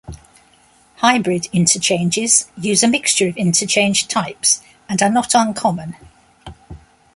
Hybrid interchanges use a mixture of interchange types and are not uncommon.